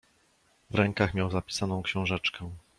"W rękach miał zapisaną książeczkę."